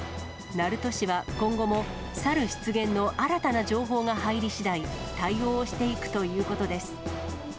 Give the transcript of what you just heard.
鳴門市は今後も、サル出現の新たな情報が入りしだい、対応していくということです。